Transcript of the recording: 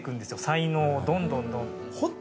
才能をどんどんどんどん。